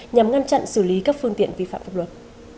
nhằm ngăn chặn xử lý các phương tiện vi phạm pháp luật